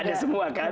ada semua kan